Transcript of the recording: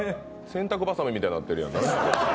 洗濯ばさみみたいになってるやんか。